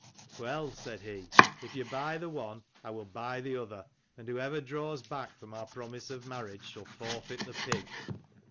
"Well," said he, " if you buy the one, I will buy the other, and whoever draws back from our promise of marriage shall forfeit the pig."